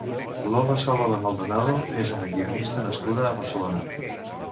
Lola Salvador Maldonado és una guionista nascuda a Barcelona.